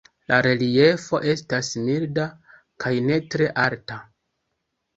La reliefo estas milda kaj ne tre alta.